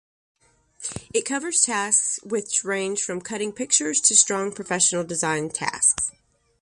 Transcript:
It covers tasks which range from cutting pictures to strong professional design tasks.